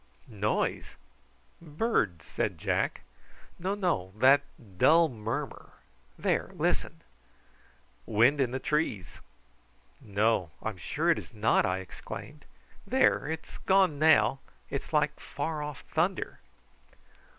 "Noise! Birds," said Jack. "No, no! That dull murmur. There, listen!" "Wind in the trees." "No, I'm sure it is not!" I exclaimed. "There! it is gone now. It is like far off thunder."